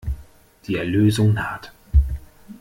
Die Erlösung naht.